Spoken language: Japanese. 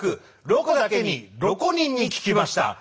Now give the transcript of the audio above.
「ロコだけに６５人に聞きました